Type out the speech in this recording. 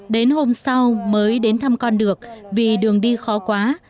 đến hôm sau mới đến thăm con được vì đường đi khó quá